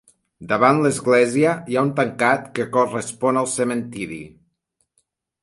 Davant l'església hi ha un tancat que correspon al cementiri.